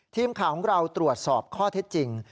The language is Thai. ทีมข่าวของเราตรวจสอบข้อเท็จจริง